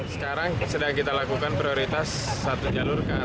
sekarang sedang kita lakukan prioritas satu jalur ke atas